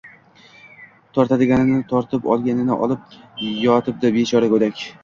Tortadiganini tortib, oladiganini olib yotibdi bechora go'dak.